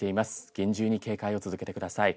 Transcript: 厳重に警戒を続けてください。